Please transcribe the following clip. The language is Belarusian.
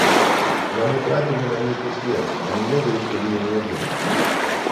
Яны трапілі на нейкі след, а не ведаюць, куды ён вядзе.